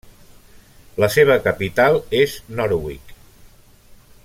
La seva capital és Norwich.